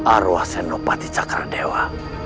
arwah senopati sakar dewa